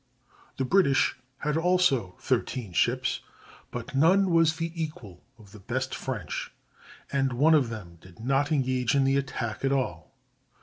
The British had also thirteen ships, but none was the equal of the best French, and one of them did not engage in the attack at all.